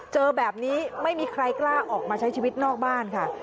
เจอแบบนี้ไม่มีใครกล้าออกมาใช้ชีวิตนอกบ้านค่ะ